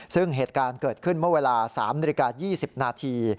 ซึ่งเหตุการณ์เกิดขึ้นเมื่อเวลา๓นาฬิกา๒๐นาที